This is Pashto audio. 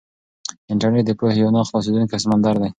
انټرنيټ د پوهې یو نه خلاصېدونکی سمندر دی.